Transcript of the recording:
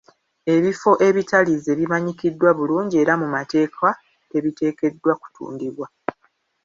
Ebifo ebitalize bimanyikiddwa bulungi era mu mateeka tebiteekeddwa kutundibwa.